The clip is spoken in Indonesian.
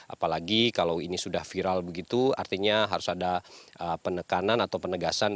apalagi kalau ini sudah viral begitu artinya harus ada penekanan atau penegasan